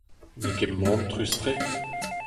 N'eo ket mantrus-tre.